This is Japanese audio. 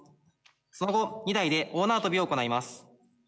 その後２台で大縄跳びを行います。